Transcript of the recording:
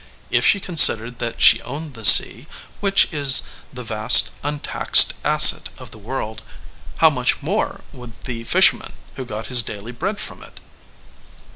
If she considered that she owned the sea, which is the vast untaxed asset of the world, how much more would the fisherman who got his daily bread from it?